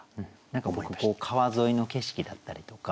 何か僕川沿いの景色だったりとか。